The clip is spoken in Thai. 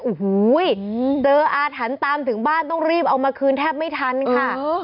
โอ้โหเจออาถรรพ์ตามถึงบ้านต้องรีบเอามาคืนแทบไม่ทันค่ะ